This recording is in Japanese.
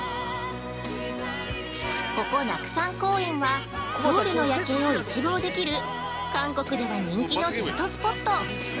◆ここナクサン公園はソウルの夜景を一望できる韓国では人気のデートスポット。